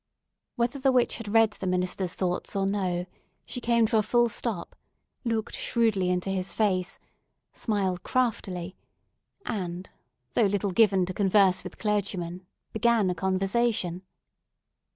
Whether the witch had read the minister's thoughts or no, she came to a full stop, looked shrewdly into his face, smiled craftily, and—though little given to converse with clergymen—began a conversation.